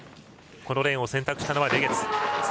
このレーンを選択したのはレゲツ。